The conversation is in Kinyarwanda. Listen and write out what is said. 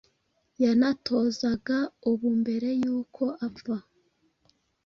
yanatozaga ubu mbere yuko apfa